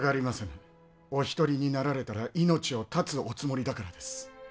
お一人になられたら命を絶つおつもりだからです。